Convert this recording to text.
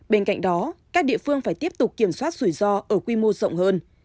bên cạnh đó các địa phương phải tiếp tục kiểm soát rủi ro ở quy mô rộng hơn